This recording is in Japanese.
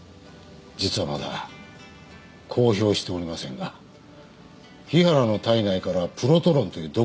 実はまだ公表しておりませんが日原の体内からプロトロンという毒物が検出されております。